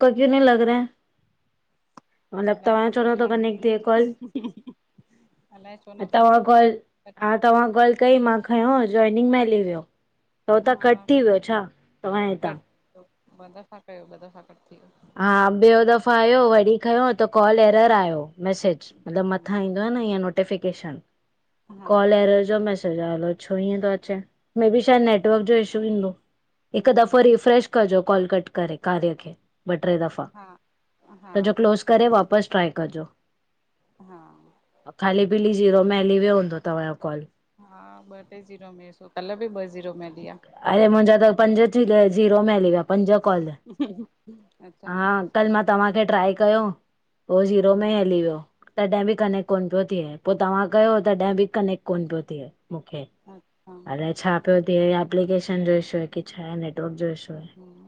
कोई भी नहीं लॻ रहें। न त अलाए तव्हां जो छो ख़बर नथो कनेक्ट थे कॉल। अल्हाए छो नथो थे। तव्हां कॉल हा तव्हां काॅल कई मां खयों जॉइनिंग में हली वियो। पो हुतां कट हा थी वियो छा तव्हांजे हितां। कट थियो, ॿ दफ़ा कयो ॿ दफ़ा कट थी वियो। हा ॿियों दफ़ा आयो वरी खयों त कॉल एरर आयो मैसेज। मतलब मथां हम्म ईंदो आ न ईअं नोटिफिकेशन। हा कॉल एरर जो मैसेज आयो, अल्हाए छो इएंं थो अचे, मेय बी शायद नेटवर्क जो इशू ईंदो। हिकु हम्म दफ़ो ठीकु रीफ्रेश कजो कॉल कट करे कार्या खे। ॿ टे दफ़ा, हा हा सॼो हा क्लोस करे वापसि ट्राए कजो। हा। ख़ाली पीली जीरो में हली वियो हूंदो तव्हांजो कॉल। हा ॿ टे ज़ीरो में, सो कल्ह बि ॿ ज़ीरो में हली विया। अड़े मुंहिंजा त पंज थी ॾह जीरो में हली विया पंज कॉल। ह [unintelligible] अच् [unintelligible] हा कल मां तव्हांखे ट्राए कयो उहो ज़ीरो में हम्म ई हली वियो। तॾहिं बि कनेक्ट कोन पियो थिए, पोइ तव्हां कयो तॾहिं बि कनेक्ट कोन पियो थिए मुखे। अच् [unintelligible] अल्हाए छा पियो थे एप्लीकेशन जो इशू आहे की छाए नेटव रक जो इशू आहे, हम्म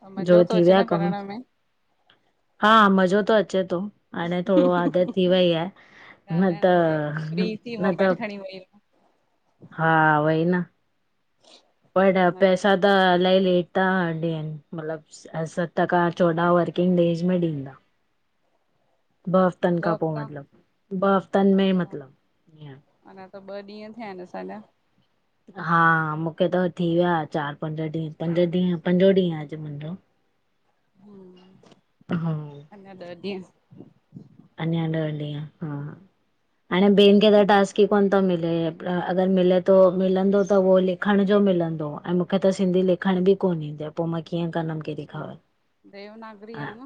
त तुंजो मज़ो थो थी अचे विया न कमु। करण में हा मज़ो त अचे थो, हाणे थोरो आदत थी वई आहे। न त ॻाल्हाइण में फ्री थी न त मोबाइल खणी वेही रहूं। हा ऊवई न। पर पैसा त अल्हाई लेट था ॾियनि मतलबु। सत खां चोॾहं वर्किंग डेज में ॾींदा। ॿ हफ़्तनि खां पोइ मतिलबु, ॿ हफ़्तनि में अच्छा मतिलबु। अञा त ॿ ॾींहं थिया आहिनि असांजा। हा मूंखे त थी विया चारि पंज ॾींहं, पंज ॾींहं पंजो ॾींहं आहे अॼु मुंहिंजो। ह्म्म, हा अञा ॾह ॾींहं। अञां ॾह ॾींहं हा, हाणे ॿियनि खे त टास्क ई कान तो मिले, अगरि मिले थो मिलंदो त उहो लिखण जो मिलंदो ऐं मूंखे त सिंधी लिख् खण बि कोन ईंदी आहे, पोइ मां कीअं कंदमि? अच्छा देवनागरी ह आ न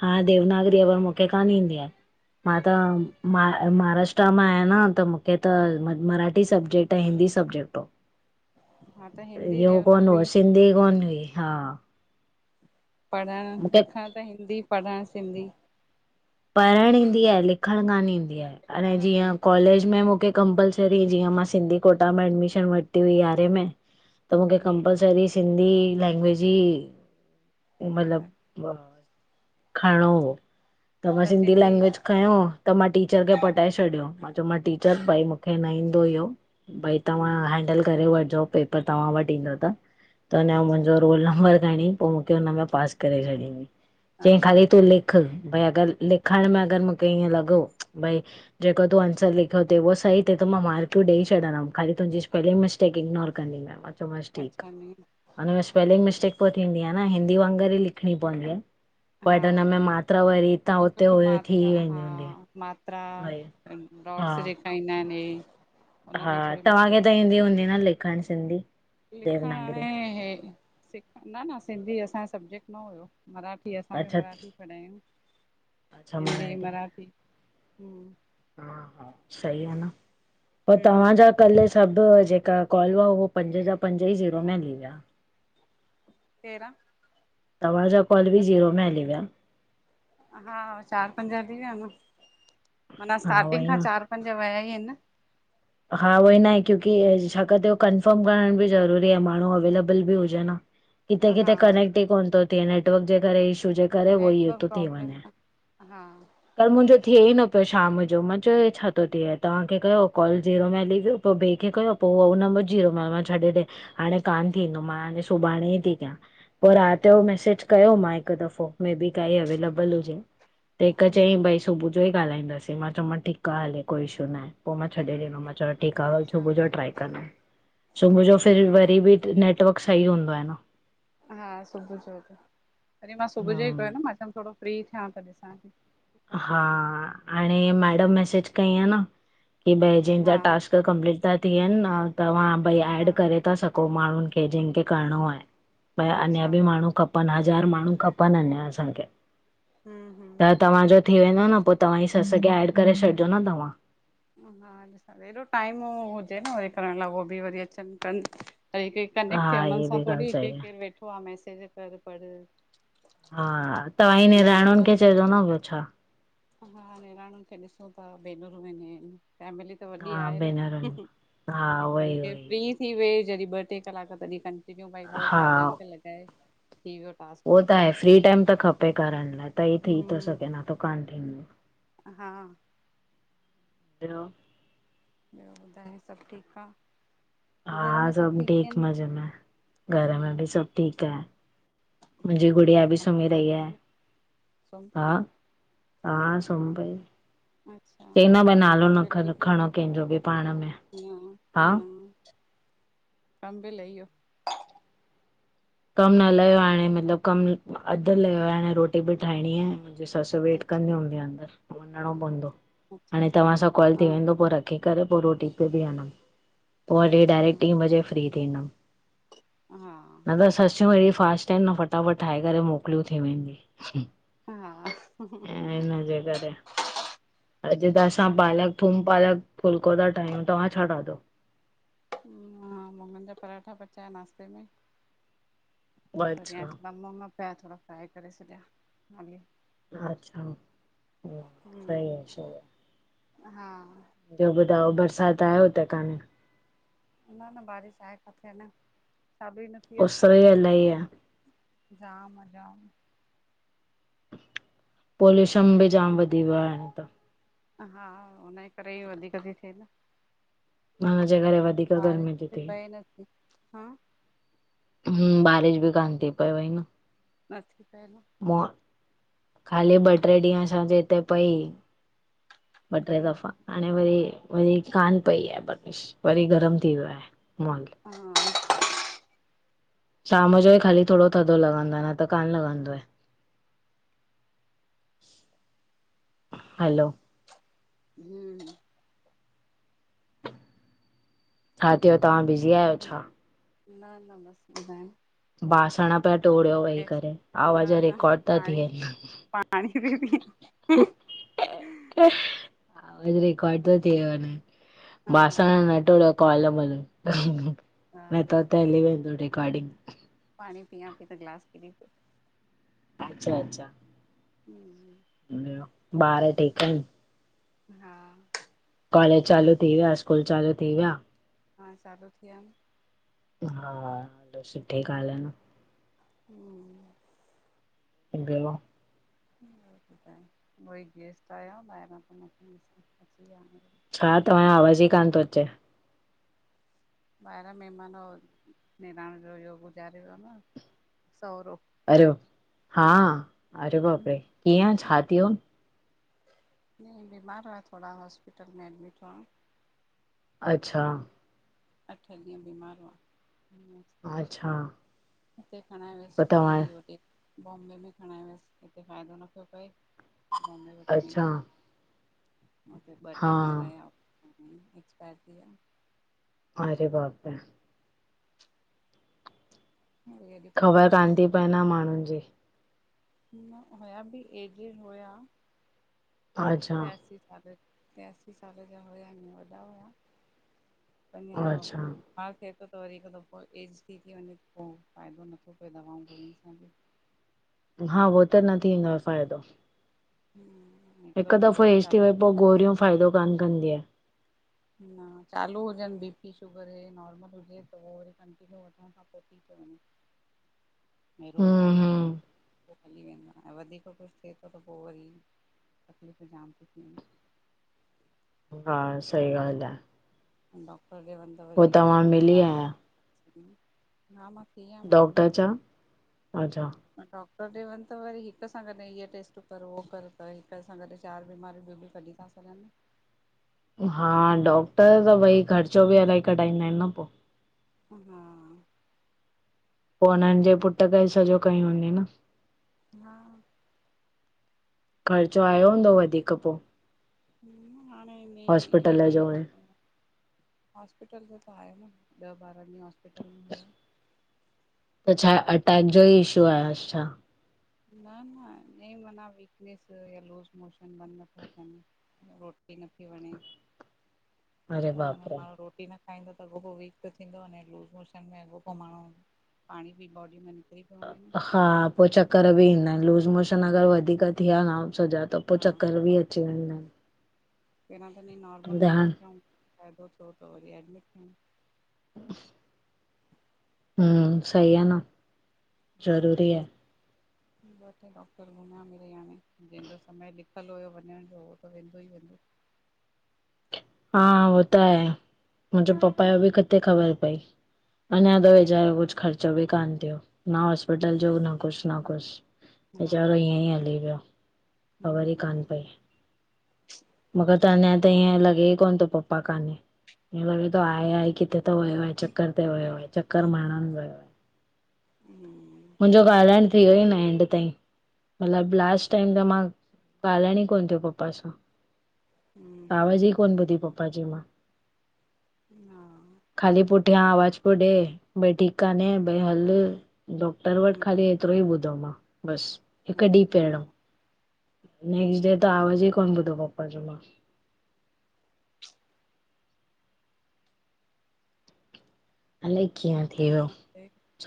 हा देवनगरीअ वारो [unintelligible] मूखे कान ईंदी आहे, मां त मां ऐं महाराष्ट्र मां आहियां न त मूंखे त मराठी सब्जेक्ट ऐं हिंदी सब्जेक्ट हो। हा त हिंदी इयो कोन हुओ देवनागरी सिंधी कोन हुई हा। पढ़णु मूंखे लिखणु त हिंदी पढ़णु सिंधी। पढ़णु ईंदी आहे लिखणु कान ईंदी आहे, हाणे पाण में जीअं कॉलेज में मूंखे कंपलसरी जीअं मां सिंधी कोटा में एडमिशन वरिती हुई यारहें में त मूंखे हूं कंपलसरी सिंधी लैंग्वेज ई मतलब खरणो हो, त मां सिंधी लैंगवेज खयो त मां टीचर खे पटाए छॾियो मां चयो मां टीचर भई मूंखे न ईंदो इहो भई तव्हां हम्म हैंडल करे वठिजो पेपर तव्हां वटि ईंदो त त हुन अच्छा मुंहिंजो रोल नंबर खणी पो मूंखे हुनमें पास करे छॾींद चयई अच्छा ख़ाली तूं अच्छा लिख भई अगरि लिखइण में अगरि मूंखे ईअं लॻो भई जेको तूं आंसर लिखियो थि उह सही थिए मां मार्कू ॾई छॾंदमि ख़ाली तुंहिंजी स्पेलिंग मिस्टेक इगनोर कंदीमाइ माँचो माँस ठीक अच्छा नी आ, उनमें स्पेलिंग हा मिस्टेक पो थींदी आ न हिंदी वांगुर ई लिखणी पवंदी आहे हा बट हुन में मात्रा वरी हुते कुझु हुई थी मात्रा हा वेंदी हूंदी मात्रा वरी हा डॉट्स जेका ईंदा आहिनि हे हुन हा, में थोरी मिस्टेक तव्हांखे त ईंदी हूंदी न लिखण सिंधी? लिखणु देवनागरी हाणे इ सिख न न सिंधी असांजो सबजेक्ट न हुयो मराठी जी असां बि अच्छा मराठी अच्छा पढ़ायूं हिंदी मराठी हूं हा हा सही आहे न, पो हम्म तव्हांजा कल्ह सभु जेका कॉल हुआ उअ पंज जा पंज ई जीरो में हली विया तेरहं तव्हांजा कॉल बि अच्छा ज़ीरो में हली विया हा, चारि पंज थी वियान माना हा स्टार्टिंग उहोई खां न चार पंज वया ई आहिनि न हा उहो ई नहे क्योकी छाकाणि त उहो कंफर्म करण बि ज़रूरी आहे माण्हू अवेलेबल बि हुजे न किथे हा किथे कनेक्ट ई कोन थो थिए नेटवर्क जे करे इशू जे करे वई हो नेटवर्क तो थी प्रॉब्लम वञ हा कल मुंहिंजो थिए ई न पियो शाम जो मां चयो हे छा थो थिए तव्हांखे कयो कॉल जीरो में हली वियो पो ॿिए खे कयो पो हुनमें जीरो मां छॾे ॾे हाणे कान थींदो मां हाणे सुभाणे ई थी कयां पोइ राति जो अच्छा मैसेज कयो मां हिकु दफ़ो मे बी काई अवेलेबल हुजे त हिकु हम्म चयईं हम्म भई सुबुह जो ई ॻाल्हाईंदासीं मां चयोमस ठीक आ हले कोई इशू न आहे पो मां चयो मां चो ठीकु आहे हल अच्छा सुबुह जो ट्राए कंदम सुबुह जो फिर वरी बि नेटवर्क सही हूंदो आहे न हा सुबुह जो त वरी मां सुबुह जो ई कयो न मां चयमि थोरो फ्री थियां त ॾिसां थी ठीक हा हाणे मैडम मैसेज कई आ न की बै जंहिंजा हा टास्क कमप्लीट था थियनि तव्हां भई हा एड करे था सघो कोई माण्हुनि खे जिन खे करणो आहे भई अच्छा अञा बि माण्हू खपे खपनि हज़ार माण्हू खपनि अना असांखे हम हम त तव्हांजो थी वेंदो न पो तव्हांजी सस खे एड करे छॾिजो न तव्हां हा ॾिस हेॾो टाइम हुजे न वरी करण लाइ उ बि वरी अचनि कनि कनेक्ट थिए हा हुननि इहा सां बि ॻाल्हि थोरी सही आहे केरु वेठो आहे मैसेज कर पढ़ हा तव्हांजी निणानुनि खे मम्मी चइजो न ॿियो छा हा निणानुनि खे ॾिसो था भेनरु मिली आहिन त वॾी हा आहे न भेनरुनि हा उहोई उहोई फ्री थी वेई जॾहिं ॿ टे कलाक तॾहिं कंटिन्यू भई ॿ हा चार घंटा लॻाए थी वियो टास्क उहो त कंप्लीट आहे फ्री हिकु ॾींहं टाइम जो त खपे करण लाइ त ई थी थो हम्म सघे न त कान थींदो, हा बियो? ॿियो ॿुधायो, सभु ठीकु आहे? हा सभु ठीक मज़े में घर में हम्म बि सभु ठीकु आहे। मुंंजी थी गुड़िया वियो बि कमु सुम्ही कार रही आ लही वियो सुम्ही हा पई? हा सुंम्ह पई अच्छा चईं न भई नालो कम न बि लही ख वियो खणो हूंदो? कंहिंजो बि पाण में न हा। [inaudible] कमु बि लहियो? कमु न लयो आ हाणे मतलबु कम अधु लयो आ, हाणे रोटी बि ठाहिणी आहे। मुंजी ससु वेट अच्छा कंदी हूंदी अंदर वञिणो पवंदो। अच्छा हाणे तव्हां सां कॉल हा थी वेंदो पो रख रखे करे पो रोटी ते बीहंदमि, पो वरी अच्छा डायरेक्ट टीं बजे फ्री थींदमि। हा। न त ससियूं अहिड़ी फास्ट आहिनि न फटाफट ठाहे करे मोकिलियूं थी वेंदी। हा ऐं हिन जे करे। अॼु त असां पालक थूम पालक फुलको ता ठाहियूं, तव्हां छा ठातो? मां मुङनि जा परांठा पचाया नाश्ते में, परियां अच्छा मुंॾ मुङ पया थोड़ा फ्राए करे छॾिया हाली। अच्छा! सही आ, सही आ। हा। ॿियो ॿुधायो, बरसाति आहे हुते कान्हे? न -न, बारिश आहे काथे अञा, चालू ई न थी आ। उस ई इलाही आहे जाम आ जाम। पोल्यूशन बि जाम वधी वियो आ, हाणे त। हा हुनजे करे ई वधीक ती थे न। हुनजे करे वधीक बारिश गर्मी थी इते थिए पए नथी, हा। हूं, बारिश भी कान ती पए वई न। नथी पए न। मुआ ख़ाली ॿ ट्रे ॾींहं असांजे हिते पई, ॿ ट्रे पई दफ़ा, हाणे वरी- वरी हा कान पई आ बारिश। वरी गरम थी वियो आहे मुवांगे। हा। शाम जो ई हम्म ख़ाली थोड़ो थधो लॻंदो आ, न त कान लॻंदो आहे। हलो हम्म। हा थियो तां बिज़ी आहियो छा? न -न बसि ॿुधाइ? बासण पया टोड़ियो वेही करे न आवाज न रिकार्ड ता पाणी थियनि। पाणी खी [unintelligible] रेकॉर्ड तो थी वने, हा बासण हा न टोड़ो कॉल मल, न त त हली वेंदो रिकॉर्डिंग। पाणी पीया पी त गिलास किरी पयो। अच्छा- अच्छा, हूं ॿियो ॿार ठीक इन? हा। कॉलेज चालू थी विया, स्कूल चालू थी विया? हा, चालू थी विया इन। हा, सुठी ॻाल्हि आ न। हूं [unintelligible] ॿियो ॿुधाय उई गेस्ट आहिया ॿाहिरा। त मां चयम अची वया। [unintelligible] छा तव्हांयो आवाज़ ई कान थो अचे। ॿाहिरां महिमान, निणान जो इहो गुज़ारे वियो आ न सहुरो। अर्य‌यो, हा अरे बापरे कीअं छा थियो? न बीमार हुया थोरा हॉस्पिटल में एडमिट हुआ। अच्छा। अठ ॾींहं बीमार हुआ। अच्छा। हिते खणाय व्यस पो वरी तव्हां होॾे। बॉम्बे में खणाय व्यस हिते फ़ाइदो न पियो पए--बॉम्बे वठी अच्छा उते ॿ टे हा ॾींह रहिया एक्सपायर थी वया। अरे बाप रे! [unintelligible] ख़बर कान थी अथसि पए न माण्हुनि जी। हुअं हुया बि एजड हुया। अच्छा तियासि। साढे टियासी साले जा हुया ईं वॾा हुया अञा। अच्छा हा थिए थो त वरी हिकु दफ़ो एज थी थी वञे पोइ फ़ाइदो नथो पए दवाऊं गोरुंन सां बि। हा ऊहो त न थींदो फ़ाइदो। रोज गोरी चालूई तन त चालूई। बंद कंदी आहियाँ। न चालू हुजनि बीपी शुगर नॉर्मल त हो वरी हुजे कंटीन्यू वठां। खां पोइ थी थो वञे। [inaudible] ऐं रोजु हम्म गोरी वठ। हम्म उओ हली वेंदो आ ऐं वधीक कुछु थिए थो त पोइ वरी तकलीफ़ूं जाम थी थियनि। हा सही ॻाल आ। डॉक्टर ॾे वन। पोइ तव्हां मिली आहियां। हु। हा मां थी आयम उननि डॉक्टर छा अच्छा ॾे। डॉक्टर ॾे वञ त वरी हिक सां गॾु इअ टेस्टूं कर उो कर त हिक सां गॾु चारि बीमारियूं बियूं बि कढीूंॾ। सासाल में [unintelligible] हा डॉक्टर भई ख़र्चो बि इलाही कढाईंदा आहिनि न पोइ। हा। पो हुनननि जे पुट खे सॼो कय हूंदे न? हा। ख़र्चो आयो हूंदो वधीक पोइ? ह हाणे भी हॉस्पिटल हेॾो इहो जो ऐं न। हॉस्पिटल में त आहे न ॾह ॿारहं ॾींहं हॉस्पिटल में हुया। त छा अटैक जो ई इशू आ छा। न, न ईंअ माना वीकनस या लूज़ मोशन बंद न प्या थियन। रोटी नथी वणे। अरे हुन में बाप रे! माण्हू रोटी न। खाईंदो त अॻोप पोइ वीक त थींदो अने लूज़ मोशन में अॻोप पोइ माण्हू पाणी बि बॉडी में। थी तो वञे न। [unintelligible] हा पोइ चक्कर बि ईंदा आहिनि, लूज़ मोशन अगरि वधीक थीया न सॼा त पोइ हा चक्कर बि च व [unintelligible] पहिरां त हिनजी नॉर्मल दवा कयूंं, फ़ाइदो थियो त वरी एडमिट कयऊं। [unintelligible] ह्म्म, सही आ न। ह ज़रूरी आहे, बस [unintelligible] ॿ टे डॉक्टर घुमया मिरर्ई हाणे जंहिंजो समय लिखियलु हुयो वञण जो उहो त वेंदो ई वेंदो। हा उहो त आहे, मुंहिंजो पपा जो बि किथे ख़बर पई। हुन जो उहो त मेन वेचारो कुछ ख़र्चो भी कान थियो। न हॉस्पिटल जो न कुछ न कुछ हा वेचारो हिअं ई हली वियो। खबर ई कान हम्म पई। मूखे त अञा ताईं हींअ लॻे ई कोन थो पप्पा काने। हिअं लॻे थो आहे आहे किथे त वियो आहे चक्कर ते वियो आहे चक्कर मारण वियो आहे। [inaudible] हम्म। मुंहिंजो ॻाल्हाइण थी वयो ई न एंड ताईं मतलब लास्ट हा टाइम त मां ॻालाइण ही कोन थियो पप्पा सां। हम्म हम्म आवाज ही कोन ॿुधी पप्पा जी मां। हा, ख़ाली पुठियां आवाज पियो ॾे, भई ठीक कन्हे भई हल डॉक्टर वट हम्म खाली एतरो ई ॿुधो मां बस। हिक डीं अच्छा हा पेंणो, नेक्स डे हम्म त आवाज ई कोन ॿुधो पपा जो मां। [unintelligible] अलाए कीअं थी वियो,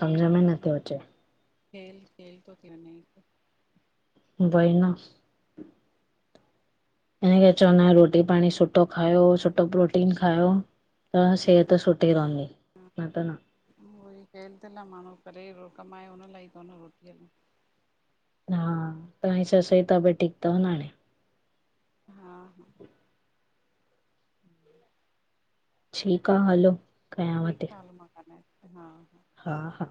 समझ में नथो अचे। खेल खेल तो थी वञे हिक। वइ न। हिन करे चवंदा आहियूं रोटी पाणी सुठो खायो, सुठो प्रोटीन खायो। त सेहत सुठी रहंदी, न त न। उहो ई कल थ लाइ माण्हू करे माण्हू कमाए हुन लाइ ई थो न रोटीअ लाए। हा, तव्हांजी सस जी तबियत ठीक तव न हाणे? हा हा। ठीक आ हलो। कयांव थी ठीक आ हल मां ॻालाए ती हा हा। हा हा।